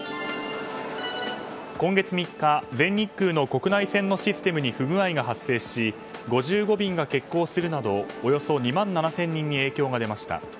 今月３日全日空の国内線のシステムに不具合が発生し５５便が欠航するなどおよそ２万７０００人に影響が出ました。